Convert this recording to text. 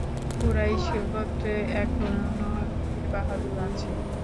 কুরাইশ গোত্রে এখনও বীর-বাহাদুর আছে।